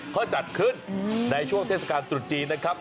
เขาจัดขึ้นในช่วงเทศกาลตรุษจีนนะครับ